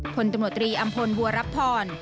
พลตำรวจตรีอำพลบัวรับพร